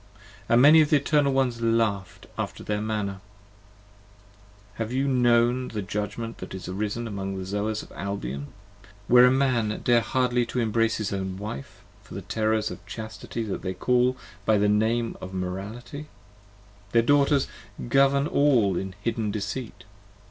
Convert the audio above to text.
And many of the Eternal Ones laughed after their manner: Have you known the Judgment that is arisen among the Zoas of Albion; where a Man dare hardly to embrace 45 His own Wife, for the terrors of Chastity that they call By the name of Morality; their Daughters govern all In hidden deceit!